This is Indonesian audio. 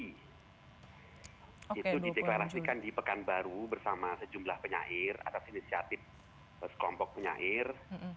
itu dideklarasikan di pekanbaru bersama sejumlah penyahir atas inisiatif sekompok penyahir